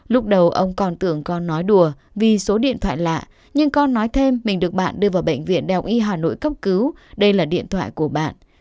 lúc đầu ông còn tưởng con nói đùa vì số điện thoại lạ nhưng con nói thêm mình được bạn đưa vào bệnh viện đại học y hà nội cấp cứu đây là điện thoại của bạn